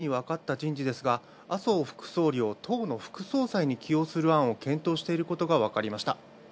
まず、新たに分かった人事ですが麻生副総理を党の副総裁に起用する案を検討していることが分かりました。